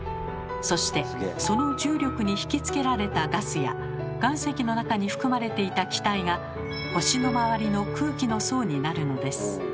そしてその重力に引きつけられたガスや岩石の中に含まれていた気体が星の周りの空気の層になるのです。